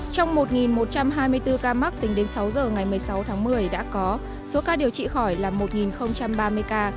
trong một một trăm hai mươi bốn ca mắc tính đến sáu giờ ngày một mươi sáu tháng một mươi đã có số ca điều trị khỏi là một ba mươi ca